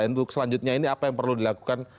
untuk selanjutnya ini apa yang perlu dilakukan